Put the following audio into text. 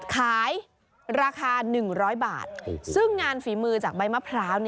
ขายราคา๑๐๐บาทซึ่งงานฝีมือจากใบมะพร้าว